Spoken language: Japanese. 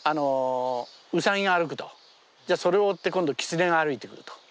ウサギが歩くとじゃあそれを追って今度キツネが歩いてくると。